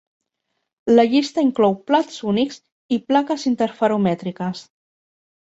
La llista inclou plats únics i plaques interferomètriques.